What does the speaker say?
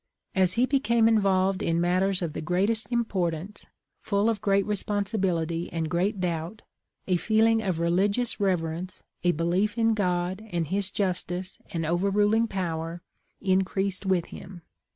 As he became involved in matters of the greatest importance, full of great responsibility and great doubt, a feeling of religious reverence, a belief in God and his justice and overruling power increased with him.